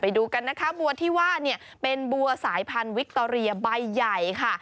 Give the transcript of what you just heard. ดูกันนะคะบัวที่ว่าเนี่ยเป็นบัวสายพันธุ์วิคโตเรียใบใหญ่ค่ะ